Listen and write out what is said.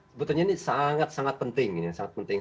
sebetulnya ini sangat sangat penting